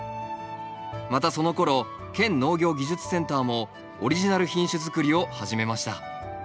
またそのころ県農業技術センターもオリジナル品種づくりを始めました。